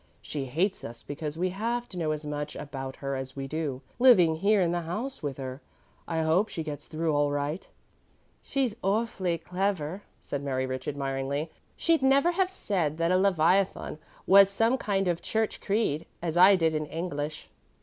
She hates us because we have to know as much about her as we do, living here in the house with her. I hope she gets through all right." "She's awfully clever," said Mary Rich admiringly. "She'd never have said that a leviathan was some kind of a church creed, as I did in English."